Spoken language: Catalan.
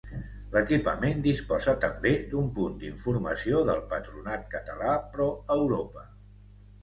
L'equipament disposa també d'un punt d'informació del Patronat Català Pro-Europa.